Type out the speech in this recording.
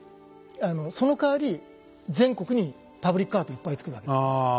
あのそのかわり全国にパブリックアートをいっぱいつくるわけです。